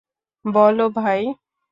বলো, ভাই?